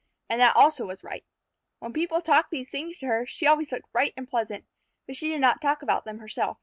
And that also was right. When people talked these things to her, she always looked bright and pleasant, but she did not talk about them herself.